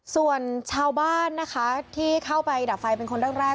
ส่วนชาวบ้านนะคะที่เข้าไปดับไฟเป็นคนแรก